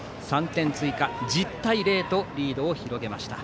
３点追加、１０対０とリードを広げました。